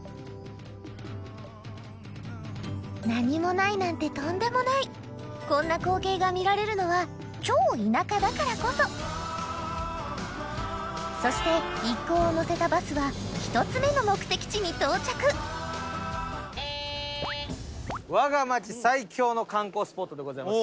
何もないなんてとんでもないこんな光景が見られるのは超田舎だからこそそして一行を乗せたバスは１つ目の目的地に到着我が町最強の観光スポットでございます。